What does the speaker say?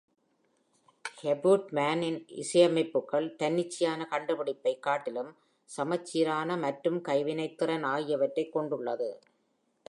Hauptmann-ன் இசையமைப்புகள் தன்னிச்சையான கண்டுபிடிப்பை காட்டிலும், சமச்சீரான மற்றும் கைவினைத்திறன் ஆகியவற்றைக் கொண்டுள்ளது.